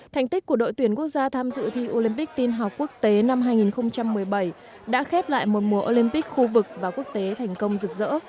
thành tích của đội tuyển quốc gia tham dự thi olympic tin học quốc tế năm hai nghìn một mươi bảy đã khép lại một mùa olympic khu vực và quốc tế thành công rực rỡ